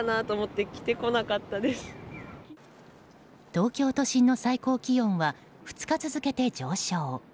東京都心の最高気温は２日続けて上昇。